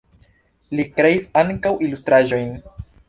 Li kreis ankaŭ ilustraĵojn.